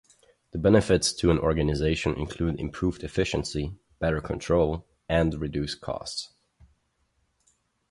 The benefits to an organization include improved efficiency, better control, and reduced costs.